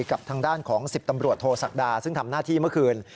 กับทางด้านของ๑๐ตำรวจโทษศักดาซึ่งทำหน้าที่เมื่อคืน